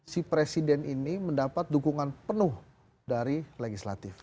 si presiden ini mendapat dukungan penuh dari legislatif